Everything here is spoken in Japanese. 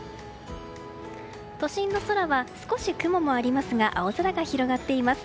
都心の空は少し雲もありますが青空が広がっています。